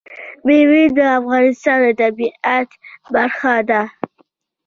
مېوې د افغانستان د طبیعت برخه ده.